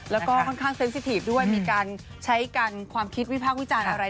แล้วก็ค่อนข้างเซ็นสิทีฟด้วยมีการใช้กันความคิดวิพากษ์วิจารณ์อะไร